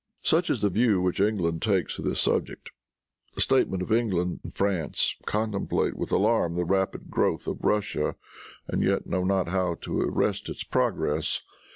Such is the view which England takes of this subject. The statesmen of England and France contemplate with alarm the rapid growth of Russia, and yet know not how to arrest its progress.